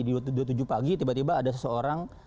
di dua puluh tujuh pagi tiba tiba ada seseorang